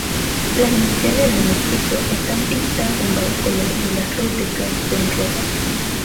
Las iniciales del manuscrito están pintados en varios colores y las rúbricas son rojas.